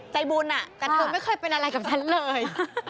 ใจบุญแต่เธอไม่เคยเป็นอะไรกับฉันเลย